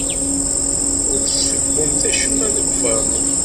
Ur d-tessewwemt acemma deg ufarnu.